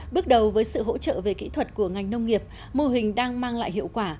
bước đầu với sự hỗ trợ về kỹ thuật của ngành nông nghiệp mô hình đang mang lại hiệu quả